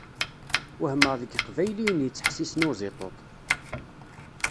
Wehmeɣ deg Iqbayliyen yettḥessisen i Uziṭuṭ!